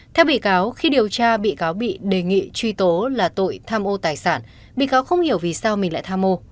theo bị cáo khi điều tra bị cáo bị đề nghị truy tố là tội tham ô tài sản bị cáo không hiểu vì sao mình lại tham mô